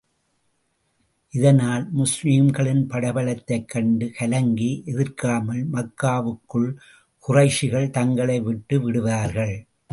இதனால் முஸ்லிம்களின் படைபலத்தைக் கண்டு கலங்கி, எதிர்க்காமல் மக்காவுக்குள் குறைஷிகள், தங்களை விட்டு விடுவார்கள்.